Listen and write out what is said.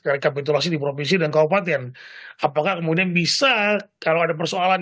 rekapitulasi di provinsi dan kabupaten apakah kemudian bisa kalau ada persoalan